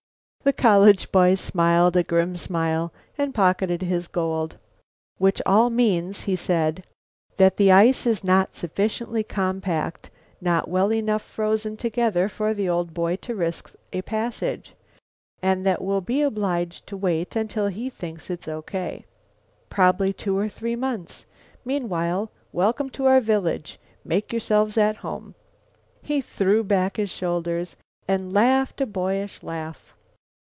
The college boy smiled a grim smile and pocketed his gold. "Which all means," he said, "that the ice is not sufficiently compact, not well enough frozen together for the old boy to risk a passage, and that we'll be obliged to wait until he thinks it's O. K. Probably two or three months. Meanwhile, welcome to our village! Make yourselves at home!" He threw back his shoulders and laughed a boyish laugh.